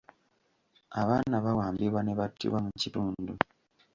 Abaana bawambibwa ne battibwa mu kitundu.